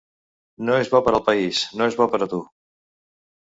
No és bo per al país, no és bo per a tu.